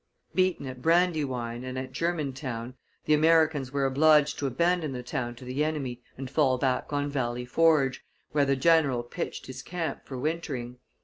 Beaten at Brandywine and at Germantown, the Americans were obliged to abandon the town to the enemy and fall back on Valley Forge, where the general pitched his camp for wintering.